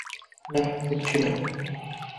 না হচ্ছি না।